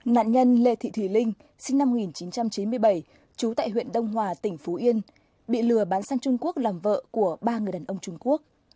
nạn nhân lê thị thùy linh sinh năm một nghìn chín trăm chín mươi bảy trú tại huyện đông hòa tỉnh phú yên bị lừa bán sang trung quốc làm vợ của ba người đàn ông trung quốc